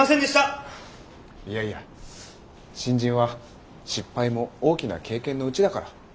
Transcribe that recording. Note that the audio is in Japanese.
いやいや新人は失敗も大きな経験のうちだから。